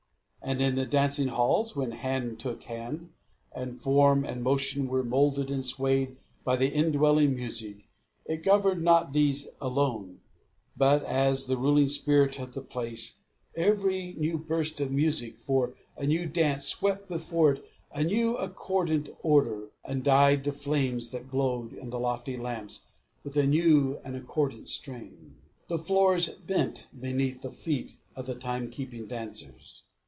And in the dancing halls, when hand took hand, and form and motion were moulded and swayed by the indwelling music, it governed not these alone, but, as the ruling spirit of the place, every new burst of music for a new dance swept before it a new and accordant odour, and dyed the flames that glowed in the lofty lamps with a new and accordant stain. The floors bent beneath the feet of the time keeping dancers.